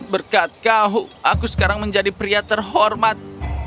berkat kau aku sekarang menjadi pria terhormat